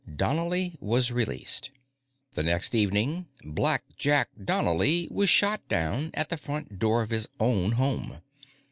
Donnely was released. The next evening, "Blackjack" Donnely was shot down at the front door of his own home.